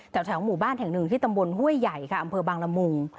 แถวหมู่บ้านแห่งหนึ่งที่ตำบลห้วยใหญ่ค่ะอำเภอบางละมุง